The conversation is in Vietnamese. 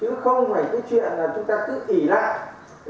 chứ không phải cái chuyện là chúng ta cứ ỉ lại